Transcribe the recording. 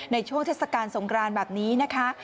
ในช่วงเทศกาลสงครานแบบนี้นะคะ